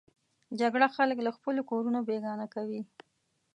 جګړه خلک له خپلو کورونو بېګانه کوي